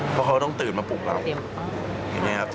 เพราะเขาต้องตื่นมาปลุกเราเห็นไหมครับ